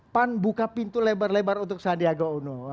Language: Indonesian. pan buka pintu lebar lebar untuk sandiaga uno